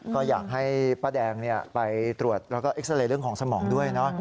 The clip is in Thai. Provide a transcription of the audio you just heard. ก็อยากให้ป้าแดงไปตรวจแล้วก็เอ็กซาเรย์เรื่องของสมองด้วยนะ